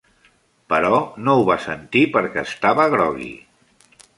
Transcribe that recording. Però no ho va sentir perquè estava grogui.